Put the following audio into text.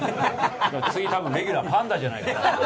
次、たぶんレギュラー、パンダじゃないかな。